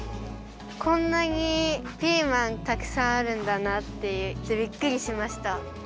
こんなにピーマンたくさんあるんだなってびっくりしました。